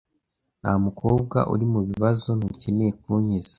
Nta mukobwa uri mubibazo, ntukeneye kunkiza